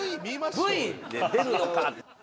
Ｖで出るのか。